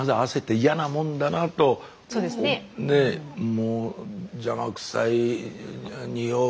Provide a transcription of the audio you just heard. もう邪魔くさい臭う。